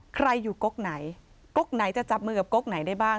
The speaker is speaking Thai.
ใครอยู่กกไหนก๊กไหนจะจับมือกับก๊กไหนได้บ้าง